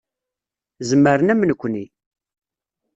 Zemren am nekni.